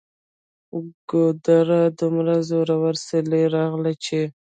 ګودره! دومره زوروره سیلۍ راغلله چې